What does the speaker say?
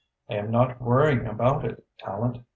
I am not worrying about it, Tallente.